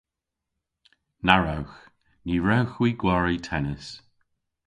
Na wrewgh. Ny wrewgh hwi gwari tennis.